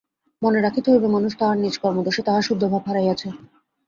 মনে রাখিতে হইবে, মানুষ তাহার নিজ কর্মদোষে তাহার শুদ্ধ ভাব হারাইয়াছে।